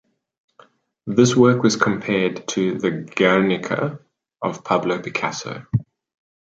This work was compared to the “Guernica” of Pablo Picasso.